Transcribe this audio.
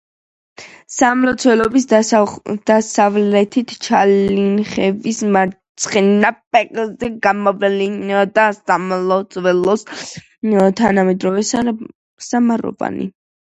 სამლოცველოს დასავლეთით, „ჩალიანხევის“ მარცხენა ფერდზე, გამოვლინდა სამლოცველოს თანადროული სამაროვანი.